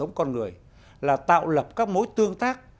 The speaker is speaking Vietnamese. tương tác của con người là tạo lập các mối tương tác